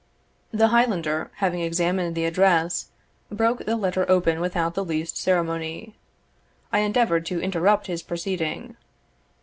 The Highlander, having examined the address, broke the letter open without the least ceremony. I endeavoured to interrupt his proceeding.